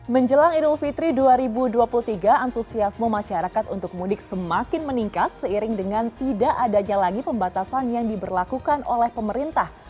menjelang idul fitri dua ribu dua puluh tiga antusiasme masyarakat untuk mudik semakin meningkat seiring dengan tidak adanya lagi pembatasan yang diberlakukan oleh pemerintah